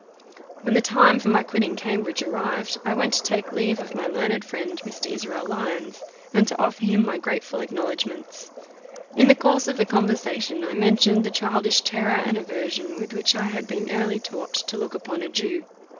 When the time for my quitting Cambridge arrived, I went to take leave of my learned friend Mr. Israel Lyons, and to offer him my grateful acknowledgments. In the course of the conversation I mentioned the childish terror and aversion with which I had been early taught to look upon a Jew.